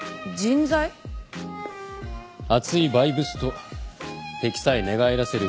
熱いバイブスと敵さえ寝返らせる